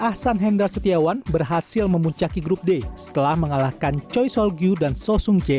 dan hasan hendra setiawan berhasil memuncaki grup d setelah mengalahkan choi sol gyu dan so sung jae